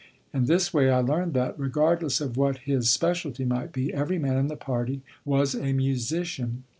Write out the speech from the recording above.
In this way, I learned that, regardless of what his specialty might be, every man in the party was a musician.